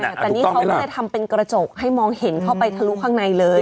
แต่นี่เขาก็เลยทำเป็นกระจกให้มองเห็นเข้าไปทะลุข้างในเลย